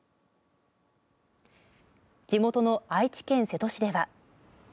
地元の愛知県瀬戸市では。